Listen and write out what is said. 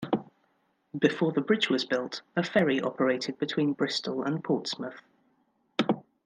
Before the bridge was built, a ferry operated between Bristol and Portsmouth.